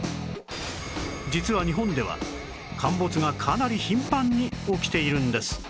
実は日本では陥没がかなり頻繁に起きているんです